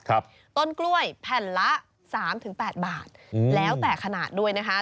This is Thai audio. ต้นกล้วยแผ่นละสามถึงแปดบาทอืมแล้วแต่ขนาดด้วยนะคะ